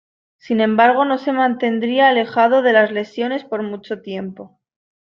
Sin embargo no se mantendría alejado de las lesiones por mucho tiempo.